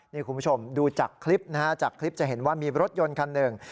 นี่คุณผู้ชมดูจากคลิปนะฮะจากคลิปจะเห็นว่ามีรถยนต์คันหนึ่ง